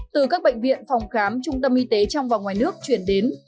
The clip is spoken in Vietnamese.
từ các bệnh viện phòng khám trung tâm y tế trong và ngoài nước chuyển đến